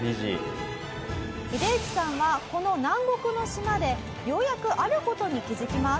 ヒデユキさんはこの南国の島でようやくある事に気づきます。